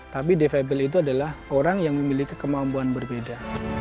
tapi defable itu adalah orang yang memiliki kemampuan berbeda